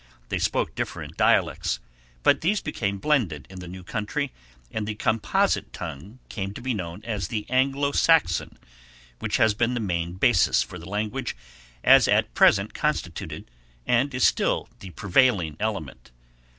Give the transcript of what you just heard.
They spoke different dialects, but these became blended in the new country, and the composite tongue came to be known as the Anglo Saxon which has been the main basis for the language as at present constituted and is still the prevailing element.